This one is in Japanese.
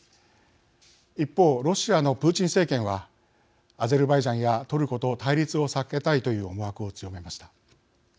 一方、ロシアのプーチン政権はアゼルバイジャンやトルコと対立を避けたいという思惑を強めました。